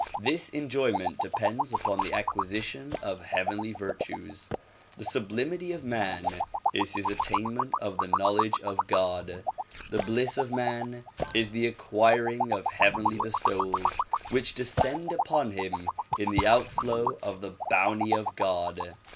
This enjoyment depends upon the acqui sition of heavenly virtues. The sublimity of man is his attainment of the knowledge of God. The bliss of man is the acquiring of heavenly bestowals which descend upon him in the outflow of the bounty of God.